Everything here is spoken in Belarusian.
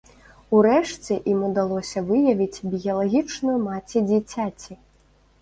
У рэшце ім удалося выявіць біялагічную маці дзіцяці.